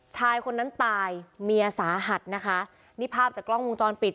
ชายคนนั้นตายเมียสาหัสนะคะนี่ภาพจากกล้องวงจรปิด